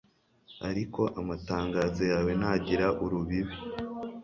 ariko amatangazo yawe ntagira urubibi